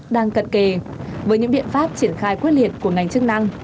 đang cận kề với những biện pháp triển khai quyết liệt của ngành chức năng